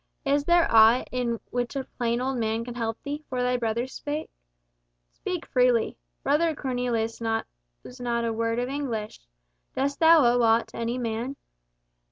Is there aught in which a plain old man can help thee, for thy brother's sake? Speak freely. Brother Cornelis knows not a word of English. Dost thou owe aught to any man?"